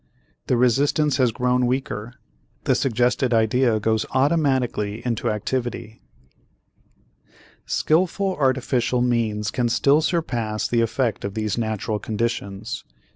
The resistance has grown weaker, the suggested idea goes automatically into activity. Skillful artificial means can still surpass the effect of these natural conditions.